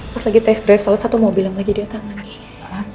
pas lagi test drive soal satu mobilan lagi dia tangan